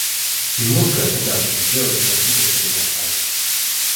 Il montre que la température du cœur est identique à celle des entrailles.